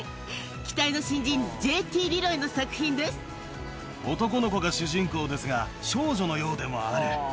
期待の新人、ＪＴリロイの作品で男の子が主人公ですが、少女のようでもある。